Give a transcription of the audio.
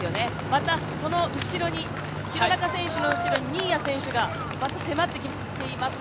また、その廣中選手の後ろに新谷選手が迫ってきています。